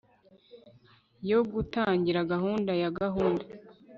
yo gutangira gahunda ya gahunda